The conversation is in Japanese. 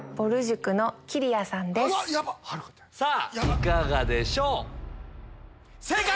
いかがでしょう？